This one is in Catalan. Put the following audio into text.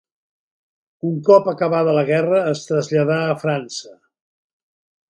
Un cop acabada la guerra, es traslladà a França.